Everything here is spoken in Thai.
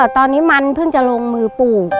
ตอนนี้มันเพิ่งจะลงมือปลูก